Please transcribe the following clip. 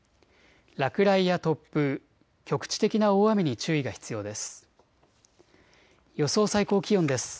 落雷や突風、局地的な大雨に注意が必要です。